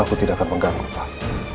aku tidak akan mengganggu pak